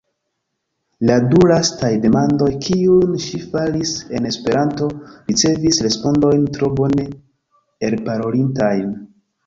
La du lastaj demandoj, kiujn ŝi faris en Esperanto, ricevis respondojn tro bone elparolitajn.